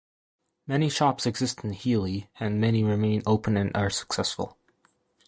Many shops exist in Heeley and many remain open and are successful.